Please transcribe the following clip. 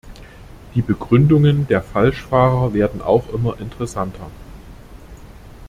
Die Begründungen der Falschfahrer werden auch immer interessanter.